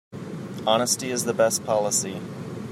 Honesty is the best policy.